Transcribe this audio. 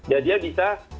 jadi dia bisa